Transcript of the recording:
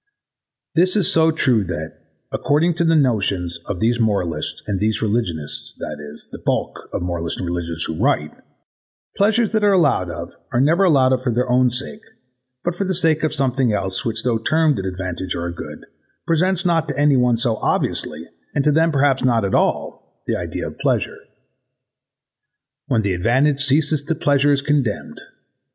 / This is so true that, according to the notions of these moralists and these religionists, that is, of the bulk of moralists and religionists who write, pleasures that are allowed of, are never allowed of for their own sake but for the sake of something else which though termed an advantage or a good presents not to any one so obviously and to them perhaps not at all, the idea of pleasure. When the advantage ceases the pleasure is condemned.